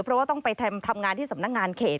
เพราะว่าต้องไปทำงานที่สำนักงานเขต